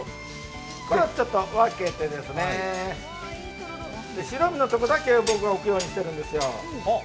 これをちょっと分けて白身のところだけ置くようにしてるんですよ。